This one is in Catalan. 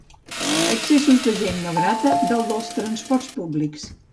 Excessos de gent no grata dalt dels transports públics.